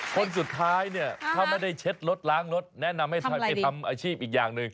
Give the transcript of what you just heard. คนสุดท้ายเนี่ยถ้าไม่ได้เช็ดรถล้างรถแนะนำให้ไปทำอาชีพอีกอย่างหนึ่ง